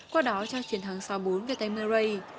qua đó cho chiến thắng sáu bốn về tay murray